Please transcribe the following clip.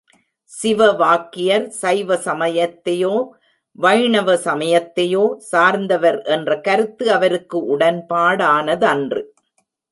சிவவாக்கியர் சைவ சமயத்தையோ, வைணவ சமயத்தையோ சார்ந்தவர் என்ற கருத்து அவருக்கு உடன் பாடானதன்று.